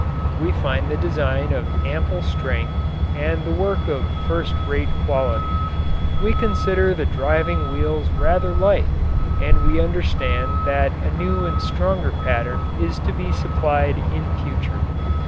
We find the design of ample strength, and the work of first rate quality. We consider the driving wheels rather light, and we understand that a new and stronger pattern is to be supplied in future.